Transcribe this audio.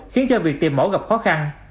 khiến cho việc tìm mẫu gặp khó khăn